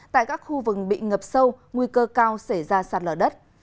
tại các khu vừng bị ngập sâu nguy cơ cao xảy ra sạt lở đất